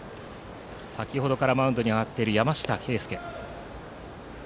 先程からマウンドに上がっている山下佳佑。